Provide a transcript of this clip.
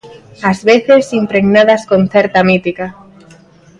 Ás veces, impregnadas con certa mítica.